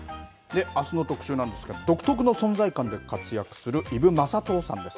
あすの特集なんですけど、独特の存在感で活躍する、伊武雅刀さんです。